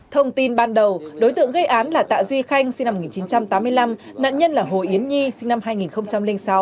thông tin ban đầu đối tượng gây án là tạ duy khanh sinh năm một nghìn chín trăm tám mươi năm nạn nhân là hồ yến nhi sinh năm hai nghìn sáu